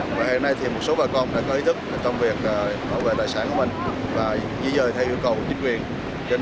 và hiện nay thì một số bà con đã có ý thức trong việc bảo vệ tài sản của mình và di dời theo yêu cầu của chính quyền